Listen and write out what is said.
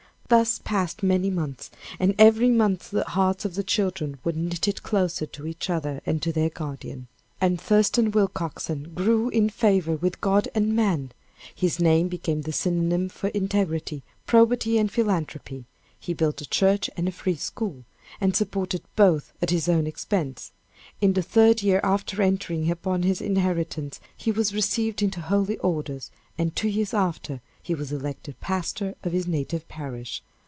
Thus passed many months, and every month the hearts of the children were knitted closer to each other and to their guardian. And Thurston Willcoxen "grew in favor, with God and man." His name became the synonym for integrity, probity and philanthropy. He built a church and a free school, and supported both at his own expense. In the third year after entering upon his inheritance, he was received into holy orders; and two years after, he was elected pastor of his native parish.